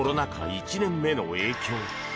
１年目の影響。